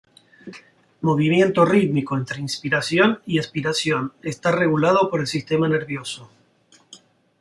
Movimiento rítmico entre inspiración y espiración, está regulado por el sistema nervioso.